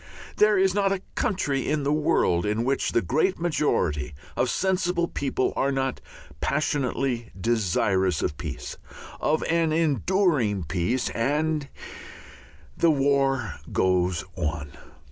There is not a country in the world in which the great majority of sensible people are not passionately desirous of peace, of an enduring peace, and the war goes on.